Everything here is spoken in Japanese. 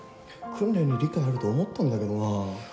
訓練に理解あると思ったんだけどなあ。